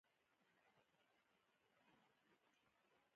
دغه ځای تر پورډېنون غوره دی، ما ورته وویل: ما پورډېنون نه دی لیدلی.